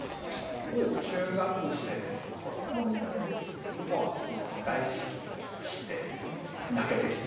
中学生の頃だったと思うんですけれどももう大好きになりまして泣けてきて。